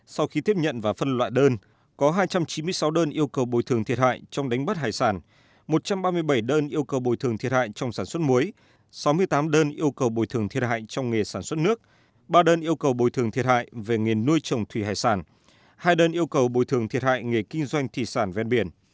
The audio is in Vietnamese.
sau khi tiếp nhận và phân loại đơn có hai trăm chín mươi sáu đơn yêu cầu bồi thường thiệt hại trong đánh bắt hải sản một trăm ba mươi bảy đơn yêu cầu bồi thường thiệt hại trong sản xuất muối sáu mươi tám đơn yêu cầu bồi thường thiệt hại trong nghề sản xuất nước ba đơn yêu cầu bồi thường thiệt hại về nghề nuôi trồng thủy hải sản hai đơn yêu cầu bồi thường thiệt hại nghề kinh doanh thủy sản ven biển